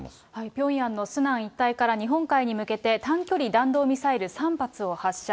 ピョンヤンのスナン一帯から日本海に向けて短距離弾道ミサイル３発を発射。